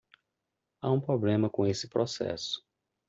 Há um problema com esse processo.